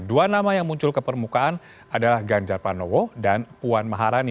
dua nama yang muncul ke permukaan adalah ganjar pranowo dan puan maharani